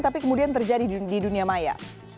tapi kemudian terjadi di dunia maya